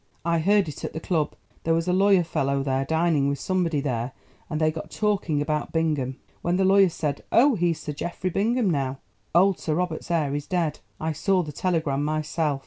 "I heard it at the club. There was a lawyer fellow there dining with somebody there, and they got talking about Bingham, when the lawyer said, 'Oh, he's Sir Geoffrey Bingham now. Old Sir Robert's heir is dead. I saw the telegram myself.